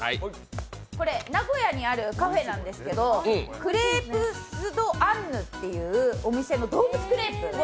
これ、名古屋にあるカフェなんですけど、クレープス・ド・アンヌっていうお店の動物クレープ。